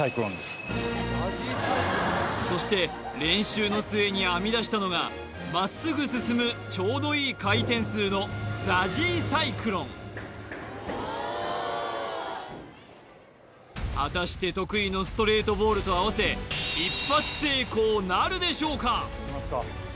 そして練習の末に編み出したのがまっすぐ進むちょうどいい回転数のＺＡＺＹサイクロン果たして得意のストレートボールとあわせ一発成功なるでしょうかいきますか